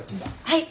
はい。